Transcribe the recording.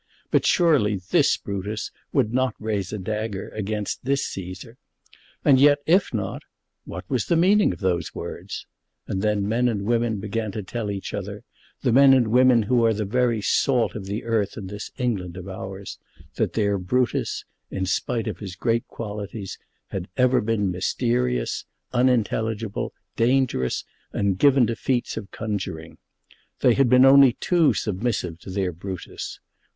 But surely this Brutus would not raise a dagger against this Cæsar! And yet, if not, what was the meaning of those words? And then men and women began to tell each other, the men and women who are the very salt of the earth in this England of ours, that their Brutus, in spite of his great qualities, had ever been mysterious, unintelligible, dangerous, and given to feats of conjuring. They had only been too submissive to their Brutus.